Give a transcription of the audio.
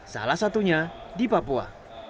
salah satunya di papua